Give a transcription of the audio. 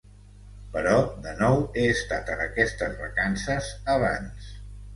Però, de nou, he estat en aquestes vacances abans.